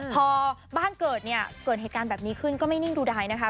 พอบ้านเกิดเนี่ยเกิดเหตุการณ์แบบนี้ขึ้นก็ไม่นิ่งดูดายนะคะ